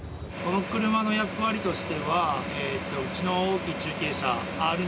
この車の役割としては一番大きい中継車